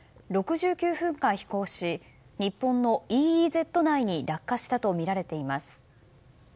６９分間飛行し日本のＥＥＺ内に落下したとみられています。